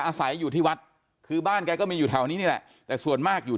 อาศัยอยู่ที่วัดคือบ้านแกก็มีอยู่แถวนี้นี่แหละแต่ส่วนมากอยู่